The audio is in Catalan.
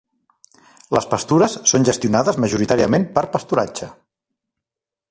Les pastures són gestionades majoritàriament per pasturatge.